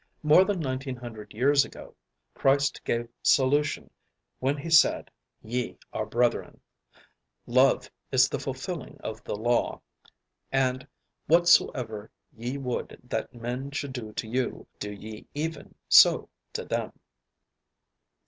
More than nineteen hundred years ago, Christ gave solution when he said, "Ye are brethern," "Love is the fulfilling of the law," and "Whatsoever ye would that men should do to you, do ye even so to them."